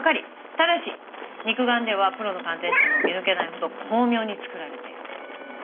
ただし肉眼ではプロの鑑定士でも見抜けないほど巧妙に作られている。